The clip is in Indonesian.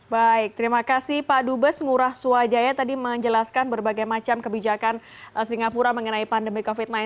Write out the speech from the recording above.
baik terima kasih pak dubes ngurah swajaya tadi menjelaskan berbagai macam kebijakan singapura mengenai pandemi covid sembilan belas